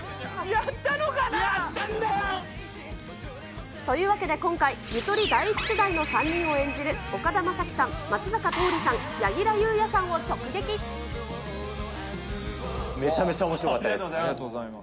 やったんだよ。というわけで、今回、ゆとり第１世代の３人を演じる岡田将生さん、松坂桃李さん、めちゃめちゃおもしろかったありがとうございます。